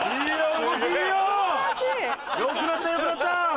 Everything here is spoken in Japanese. よくなったよくなった！